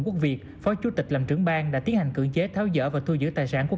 quốc việt phó chủ tịch làm trưởng bang đã tiến hành cưỡng chế tháo dỡ và thu giữ tài sản của